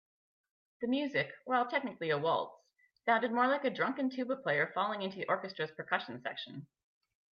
The music, while technically a waltz, sounded more like a drunken tuba player falling into the orchestra's percussion section.